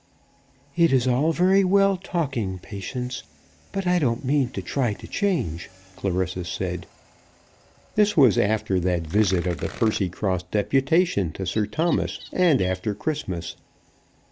"It is all very well talking, Patience, but I don't mean to try to change," Clarissa said. This was after that visit of the Percycross deputation to Sir Thomas, and after Christmas.